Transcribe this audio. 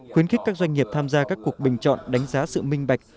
khuyến khích các doanh nghiệp tham gia các cuộc bình chọn đánh giá sự minh bạch